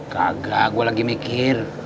gagah gua lagi mikir